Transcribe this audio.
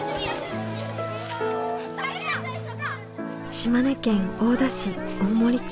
島根県大田市大森町。